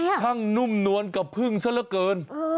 ช่างนุ่มนวลกับพึ่งซะละเกิน